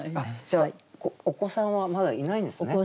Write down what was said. じゃあお子さんはまだいないんですね。